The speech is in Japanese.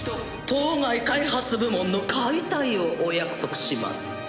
当該開発部門の解体をお約束します。